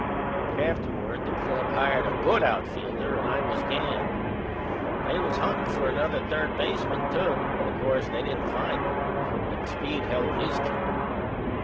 Afterward the club hired a good outfielder and I was canned. They was huntin' for another third baseman too; but, o' course, they didn't find none and Speed held his job.